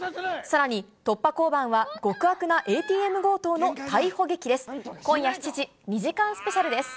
さらに、突破交番は、極悪なＡＴＭ強盗の逮捕劇です。